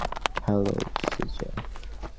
Hello, Sheeja.